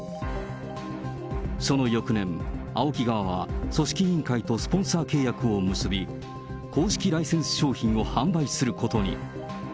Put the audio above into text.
その翌年、ＡＯＫＩ側は組織委員会とスポンサー契約を結び、公式ライセンス商品を販売することに。